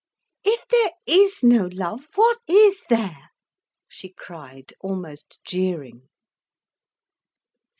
"If there is no love, what is there?" she cried, almost jeering.